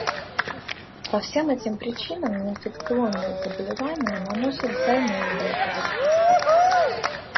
По всем этим причинам неинфекционные заболевания наносят двойной удар по развитию.